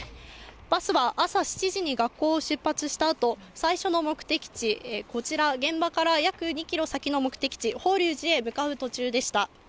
バスは朝７時に学校を出発したあと、最初の目的地、こちら、現場から約２キロ先の目的地、法隆寺へ向かう途中でした。